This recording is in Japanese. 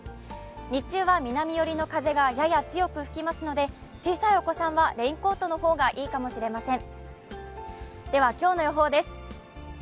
日中は南寄りの風がやや強く吹きますので小さいお子さんはレインコートの方がいいかもしれません。